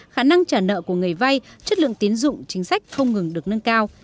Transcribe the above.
khả năng trả nợ của người vay chất lượng tiến dụng chính sách không ngừng được nâng cao